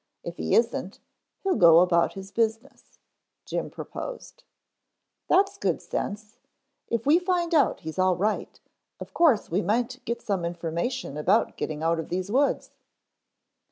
If he isn't, he'll go about his business," Jim proposed. "That's good sense. If we find out he's all right, of course we might get some information about getting out of these woods."